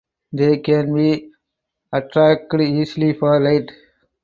They can be attracted easily for light.